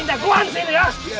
lo jangan lebih tinja